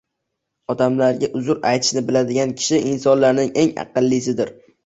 Odamlarga uzr aytishni biladigan kishi insonlarning eng aqllisidir.